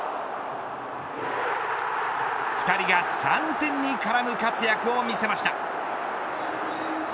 ２人が３点に絡む活躍を見せました。